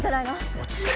落ち着け！